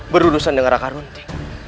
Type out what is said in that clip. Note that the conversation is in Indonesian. berurusan dengan raka runting